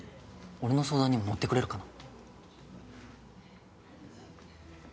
俺の相談にも乗ってくれるかな？